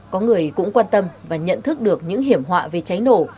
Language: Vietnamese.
có người cũng quan tâm và nhận thức được những hiểm họa về cháy nổ